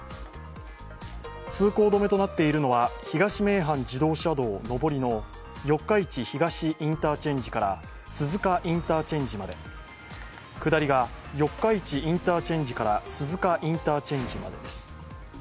通行止めとなっているのは東名阪自動車道上りの四日市東インターチェンジから鈴鹿インターチェンジまで、下りが四日市インターチェンジから鈴鹿インターチェンジまでです。